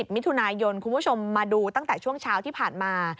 มิถุนายนคุณผู้ชมมาดูตั้งแต่ช่วงเช้าที่ผ่านมา